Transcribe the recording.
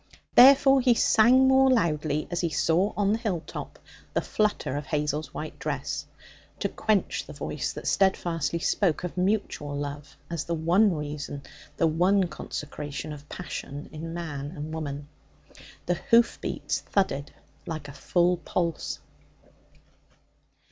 Therefore he sang more loudly as he saw on the hill top the flutter of Hazel's white dress, to quench the voice that steadfastly spoke of mutual love as the one reason, the one consecration of passion in man and woman. The hoof beats thudded like a full pulse.